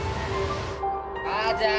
母ちゃん！